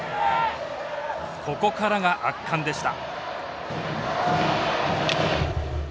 ここからが圧巻でした。